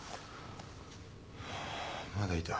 まだいた。